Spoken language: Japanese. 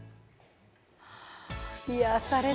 癒やされた。